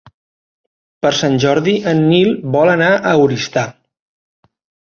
Per Sant Jordi en Nil vol anar a Oristà.